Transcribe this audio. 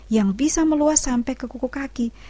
yang bisa meluas sampai ke kuku kaki